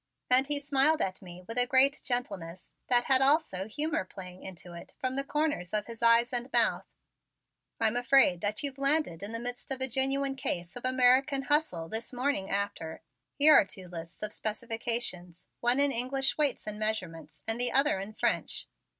And he smiled at me with a great gentleness that had also humor playing into it from the corners of his eyes and mouth. "I'm afraid that you've landed in the midst of a genuine case of American hustle this 'morning after.' Here are two lists of specifications, one in English weights and measurements and the other in French.